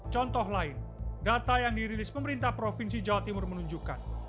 contoh lain data yang dirilis pemerintah provinsi jawa timur menunjukkan